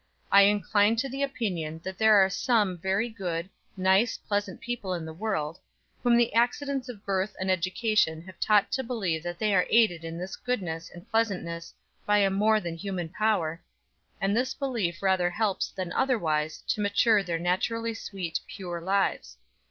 I incline to the opinion that there are some very good, nice, pleasant people in the world, whom the accidents of birth and education have taught to believe that they are aided in this goodness and pleasantness by a more than human power, and this belief rather helps than otherwise to mature their naturally sweet, pure lives.